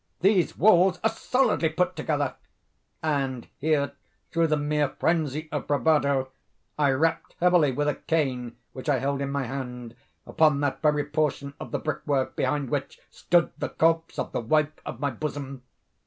—these walls are solidly put together;" and here, through the mere phrenzy of bravado, I rapped heavily, with a cane which I held in my hand, upon that very portion of the brick work behind which stood the corpse of the wife of my bosom.